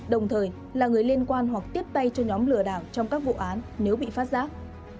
đồng thời là người liên quan hoặc tiếp tay cho nhóm lừa đảo trong các vụ án nếu bị phát giác